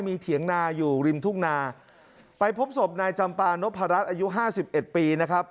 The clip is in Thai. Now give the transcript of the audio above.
มีเถียงนาอยู่ริมทุ่งนาไปพบศพนายจำปานพรัชอายุห้าสิบเอ็ดปีนะครับ